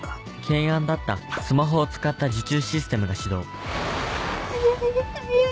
懸案だったスマホを使った受注システムが始動速い速い速い。